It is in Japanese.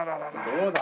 どうだ？